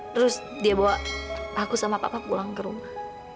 terus dia bawa aku sama papa pulang ke rumah